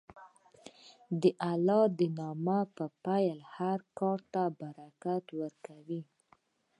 د الله د نوم پیل هر کار ته برکت ورکوي.